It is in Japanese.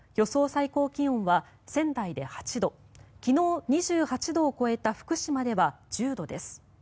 最高気温は仙台で８度昨日、２８度を超えた福島では１０度です。